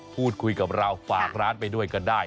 พูดคุยกับเราฝากร้านไปด้วยกันได้